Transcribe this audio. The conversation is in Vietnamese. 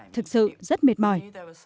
thực sự rất mệt mỏi